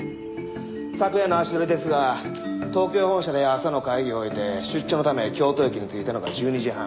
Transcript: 昨夜の足取りですが東京本社で朝の会議を終えて出張のため京都駅に着いたのが１２時半。